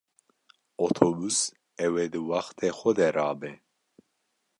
Otobus ew ê di wextê xwe de rabe?